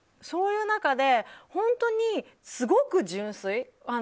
そういう中で本当にすごく純粋。